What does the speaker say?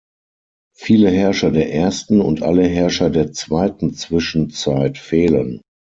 Viele Herrscher der Ersten und alle Herrscher der Zweiten Zwischenzeit fehlen.